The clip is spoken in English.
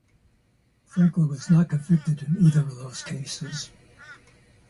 Franklin was not convicted in either of those cases.